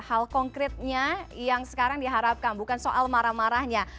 hal konkretnya yang sekarang diharapkan bukan soal marah marahnya